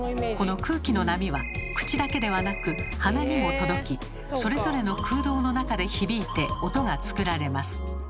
この空気の波は口だけではなく鼻にも届きそれぞれの空洞の中で響いて音が作られます。